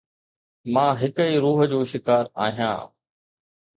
مان هڪ ئي روح جو شڪار آهيان